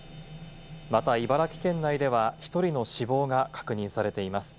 また茨城県内では、１人の死亡が確認されています。